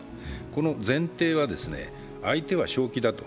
この前提は相手は正気だと。